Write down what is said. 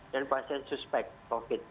dan pasien suspek covid